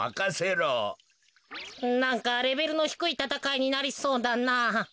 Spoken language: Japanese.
なんかレベルのひくいたたかいになりそうだな。